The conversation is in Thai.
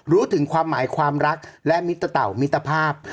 รู้ถึงความหมายความรักและมิตเต่ามิตรภาพ